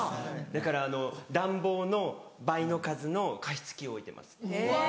だから暖房の倍の数の加湿器を置いてます。